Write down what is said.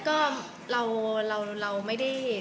มันคือแพทย์ก็เราไม่ได้